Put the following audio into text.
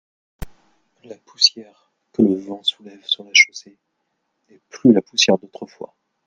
La poussière que le vent soulève sur la chaussée n’est plus la poussière d’autrefois.